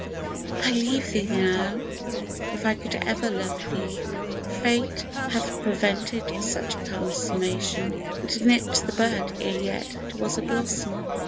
T LEAVE thee now, if I could ever love thee, * Fate hath prevented such a consummation, And nipped the bud ere yet it was a blossom